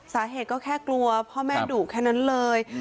สาเหตุก็แค่กลัวพ่อแม่ดุแค่นั้นเลย